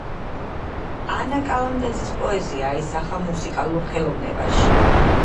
ანა კალანდაძის პოეზია აისახა მუსიკალურ ხელოვნებაში